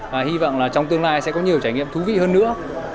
và hy vọng là trong tương lai sẽ có nhiều trải nghiệm thú vị hơn nữa